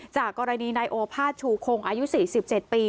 จากกรณีนายโอภาษชูคงอายุ๔๗ปี